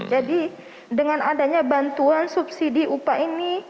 jadi dengan adanya bantuan subsidi upah ini